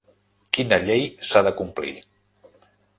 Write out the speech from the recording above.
Quina llei s'ha de complir?